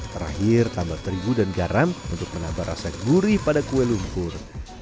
terakhir tambah terigu dan garam untuk menambah rasa gurih pada kue lumpur